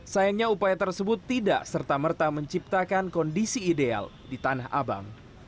sayangnya upaya tersebut tidak serta merta menciptakan kondisi ideal di tanah abang